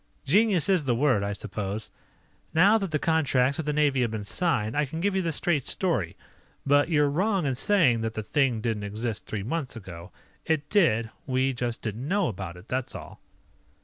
"Genius is the word, I suppose. Now that the contracts with the Navy have been signed, I can give you the straight story. But you're wrong in saying that the thing didn't exist three months ago. It did. We just didn't know about it, that's all."